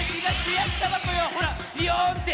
ほらビヨーンって。